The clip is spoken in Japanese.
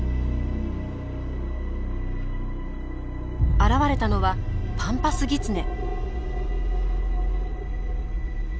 現れたのはパンパスギツネ。